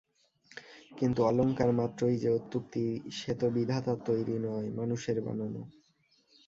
কিন্তু অলংকারমাত্রই যে অত্যুক্তি, সে তো বিধাতার তৈরি নয়, মানুষের বানানো।